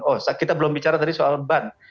oh kita belum bicara tadi soal ban